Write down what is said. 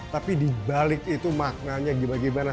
tapi di balik itu maknanya gimana gimana